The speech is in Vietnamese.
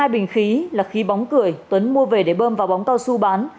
một mươi hai bình khí là khí bóng cười tuấn mua về để bơm vào bóng cao su bán